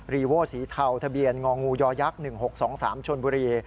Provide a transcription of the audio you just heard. โว้สีเทาทะเบียนงองูยักษ์๑๖๒๓ชนบุรี